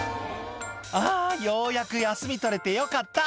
「あようやく休み取れてよかった」